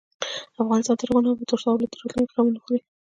افغانستان تر هغو نه ابادیږي، ترڅو د اولاد د راتلونکي غم ونه خورئ.